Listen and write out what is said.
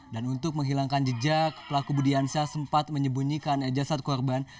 dan untuk menghilangkan jejak pelaku budi ansyah sempat menyembunyikan ejasat korban